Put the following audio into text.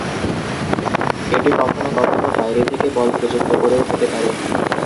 এটি কখনো কখনো বাইরে থেকে বল প্রযুক্ত করেও হতে পারে।